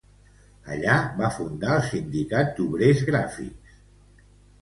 Allí va fundar el Sindicat d'Obrers Gràfics.